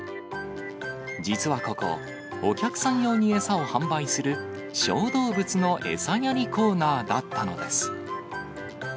実はここ、お客さん用に餌を販売する小動物の餌やりコーナーだったのです。